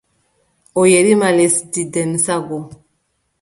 O yerima lesdi Demsa no.